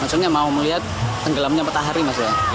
maksudnya mau melihat tenggelamnya matahari maksudnya